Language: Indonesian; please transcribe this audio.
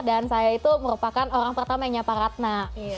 dan saya itu merupakan orang pertama yang nyapa ratna